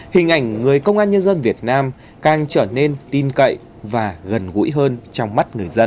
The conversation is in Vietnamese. hình ảnh người công an nhân dân việt nam càng trở nên tin cậy và gần gũi hơn trong mắt người dân